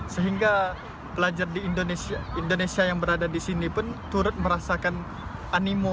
sehingga pelajar di indonesia yang berada di sini pun turut merasakan animo